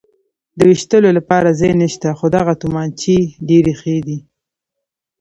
د وېشتلو لپاره ځای نشته، خو دغه تومانچې ډېرې ښې دي.